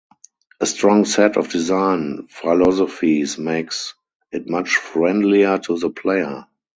A strong set of design philosophies makes it much friendlier to the player